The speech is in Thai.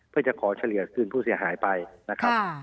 เพื่อจะขอเฉลี่ยคืนผู้เสียหายไปนะครับ